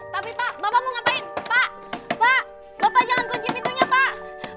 tapi pak bapak mau ngapain pak pak bapak jangan kunci pintunya pak